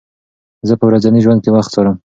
زه په ورځني ژوند کې وخت څارم.